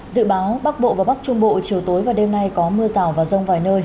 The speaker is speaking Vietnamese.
dự báo bắc bộ và bắc trung bộ chiều tối và đêm nay có mưa rào và rông vài nơi